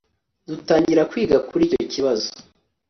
dutangira kwiga kuricyo kibazo